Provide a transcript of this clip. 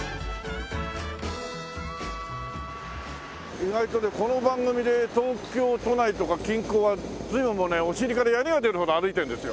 意外とねこの番組で東京都内とか近郊は随分もうねお尻からヤニが出るほど歩いてるんですよ。